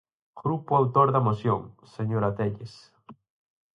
Grupo autor da moción, señora Telles.